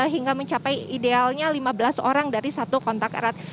hingga mencapai idealnya lima belas orang dari satu kontak erat